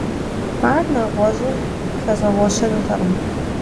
Ар нэгъуэщӀым хэзгъэгъуэщэнутэкъым.